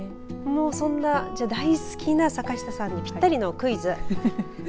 そんな大好きな坂下さんにぴったりのクイズ。